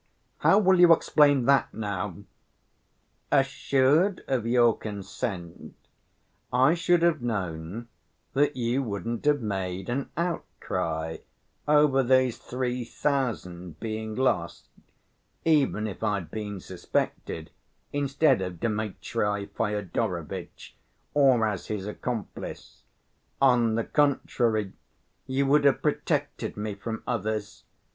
How will you explain that now?" "Assured of your consent, I should have known that you wouldn't have made an outcry over those three thousand being lost, even if I'd been suspected, instead of Dmitri Fyodorovitch, or as his accomplice; on the contrary, you would have protected me from others....